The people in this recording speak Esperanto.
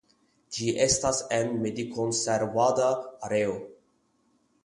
Ĝi estas en medikonservada areo.